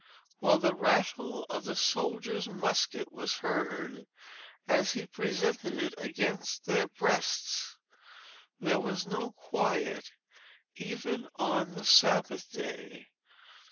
while the rattle of the soldier's musket was heard, as he presented it against their breasts. There was no quiet, even on the Sabbath day.